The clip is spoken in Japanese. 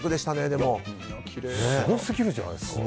すごすぎるじゃないですか。